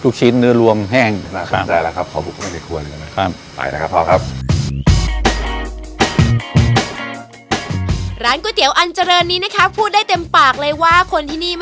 คือที่ร่างกายบึกบึนนี้เพราะทำลูกชิ้นเลย